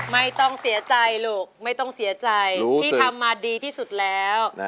ไม่ต้องเสียใจลูกไม่ต้องเสียใจที่ทำมาดีที่สุดแล้ว